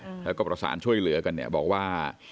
แล้วก็ประสานช่วยเหลือกันเนี่ยบอกว่า